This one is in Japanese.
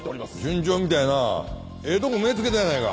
順調みたいやなええとこ目つけたやないか！